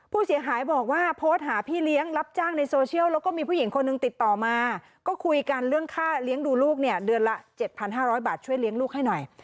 ผู้เสียหายบอกว่าโพสต์หาพี่เลี้ยงรับจ้างในโซเชียลแล้วก็มีผู้หญิงคนหนึ่งติดต่อมาก็คุยกันเรื่องค่าเลี้ยงดูลูกเนี่ยเดือนละ๗๕๐๐บาทช่วยเลี้ยงลูกให้หน่อย